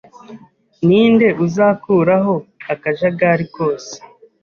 Ninde uzakuraho akajagari kose?